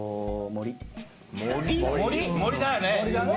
森だよね。